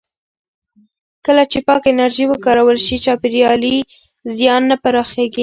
کله چې پاکه انرژي وکارول شي، چاپېریالي زیان نه پراخېږي.